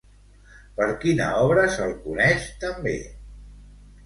Per quina obra se'l coneix també?